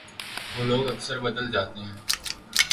وہ لوگ اکثر بدل جاتے ہیں